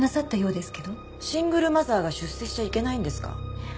シングルマザーが出世しちゃいけないんですか？